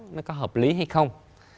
nó có hợp lý hay không